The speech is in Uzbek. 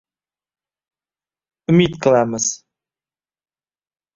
Umid qilamiz